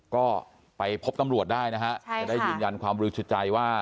ก็ไปพบตำรวจได้จะได้ยืนยันความรู้สึกใจว่า